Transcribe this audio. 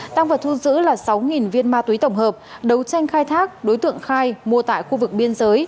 tăng vật thu giữ là sáu viên ma túy tổng hợp đấu tranh khai thác đối tượng khai mua tại khu vực biên giới